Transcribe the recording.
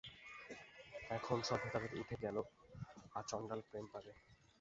এখন সব ভেদাভেদ উঠে গেল, আচণ্ডাল প্রেম পাবে।